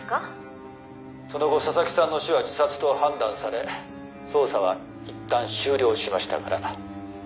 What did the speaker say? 「その後佐々木さんの死は自殺と判断され捜査はいったん終了しましたから」